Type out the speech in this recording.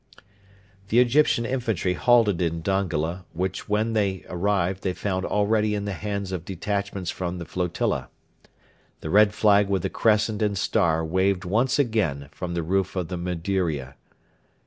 The Egyptian infantry halted in Dongola, which when they arrived they found already in the hands of detachments from the flotilla. The red flag with the Crescent and star waved once again from the roof of the Mudiria.